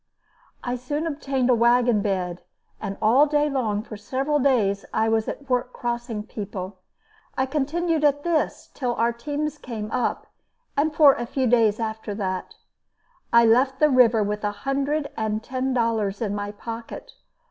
I soon obtained a wagon bed, and all day long for several days I was at work crossing people. I continued at this till our teams came up, and for a few days after that. I left the river with a hundred and ten dollars in my pocket.